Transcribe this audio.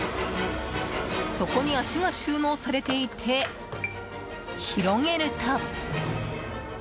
底に脚が収納されていて広げると。